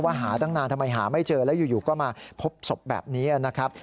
หาตั้งนานทำไมหาไม่เจอแล้วอยู่ก็มาพบศพแบบนี้นะครับ